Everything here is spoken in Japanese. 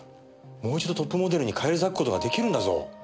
もう一度トップモデルに返り咲く事が出来るんだぞ。